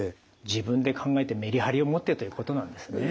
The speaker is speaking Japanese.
自分で考えてメリハリを持ってということなんですね。